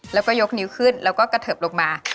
แล้วก็ยกนิ้วขึ้นแล้วก็กระเทิบลงมา